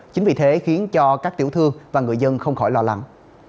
chính vì thế khiến cho các tiểu thương và người dân không khỏi lo lắng